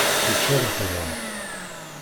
Yečča lexber.